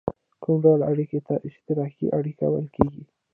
کوم ډول اړیکې ته اشتراکي اړیکه ویل کیږي؟